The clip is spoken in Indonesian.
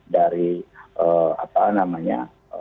dari apa namanya